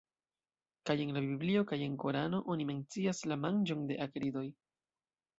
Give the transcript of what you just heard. Kaj en la biblio kaj en korano oni mencias la manĝon de akridoj.